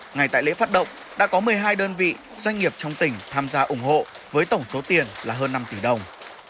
ngày tại lễ phát động đã có một mươi hai đơn vị doanh nghiệp trong tỉnh tham gia ủng hộ với tổng số tiền là hơn năm tỷ đồng